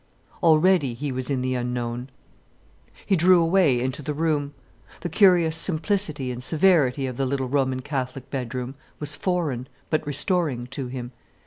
Already he was in the unknown. He drew away into the room. The curious simplicity and severity of the little Roman Catholic bedroom was foreign but restoring to him.